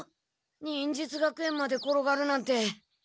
忍術学園まで転がるなんて。